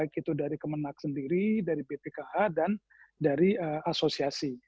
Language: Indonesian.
kemenak sendiri dari bpkh dan dari asosiasi